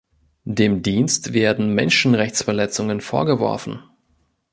Dem Dienst werden Menschenrechtsverletzungen vorgeworfen.